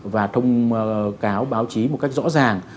và thông cáo báo chí một cách rõ ràng